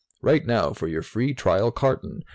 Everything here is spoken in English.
"Write now for your free trial carton.